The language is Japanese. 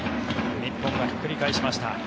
日本がひっくり返しました。